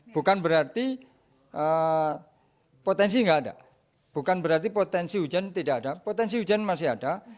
bukan berarti potensi tidak ada bukan berarti potensi hujan tidak ada potensi hujan masih ada